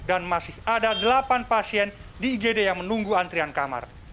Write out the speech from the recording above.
dan masih ada delapan pasien di igd yang menunggu antrian kamar